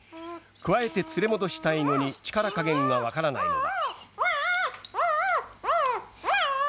くわえて連れ戻したいのに力加減が分からないのだ。